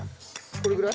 これぐらい？